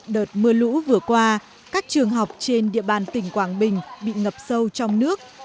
đợt mưa lũ vừa qua các trường học trên địa bàn tỉnh quảng bình bị ngập sâu trong nước